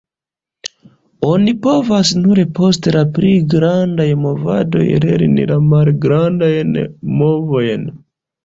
Oni povas nur post la pli grandaj movadoj lerni la malgrandajn movojn.